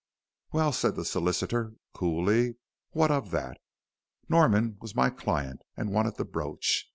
"Well," said the solicitor, coolly, "what of that? Norman was my client and wanted the brooch.